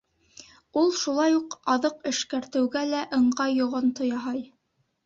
Ул шулай уҡ аҙыҡ эшкәртеүгә лә ыңғай йоғонто яһай.